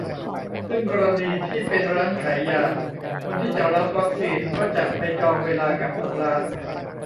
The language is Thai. ซึ่งกรณีที่เป็นร้านขายยา คนที่จะรับวัคซีนก็จะไปจองเวลากับทางร้าน